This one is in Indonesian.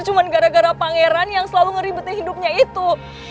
cuma gara gara pangeran yang selalu ngeribeti hidupnya itu